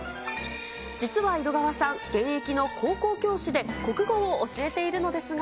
実は井戸川さん、現役の高校教師で国語を教えているのですが。